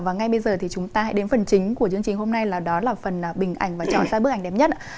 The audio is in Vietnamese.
và ngay bây giờ thì chúng ta hãy đến phần chính của chương trình hôm nay là đó là phần bình ảnh và trải ra bức ảnh đẹp nhất ạ